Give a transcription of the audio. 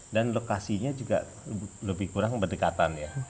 dan lokasinya juga lebih kurang berdekatan ya